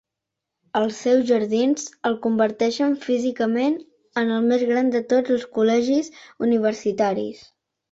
Els seus jardins el converteixen físicament en el més gran de tots els col·legis universitaris.